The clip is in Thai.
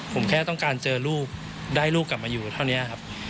ผมแค่ต้องการเจอลูกได้ลูกกลับมาอยู่เท่านี้ครับ